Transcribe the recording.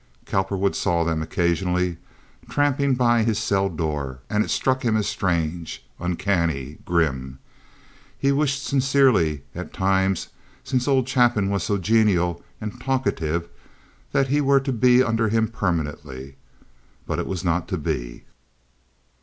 Cowperwood saw them occasionally tramping by his cell door, and it struck him as strange, uncanny, grim. He wished sincerely at times since old Chapin was so genial and talkative that he were to be under him permanently; but it was not to be.